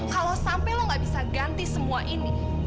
kalau sampai lu nggak bisa ganti semua ini